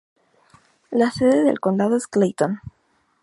La sede de condado es Clayton.